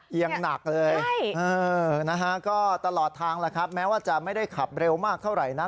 ยังหนักเลยนะฮะก็ตลอดทางแล้วครับแม้ว่าจะไม่ได้ขับเร็วมากเท่าไหร่นัก